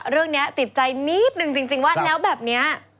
เรื่องนี้ติดใจนิดนึงจริงว่าแล้วแบบนี้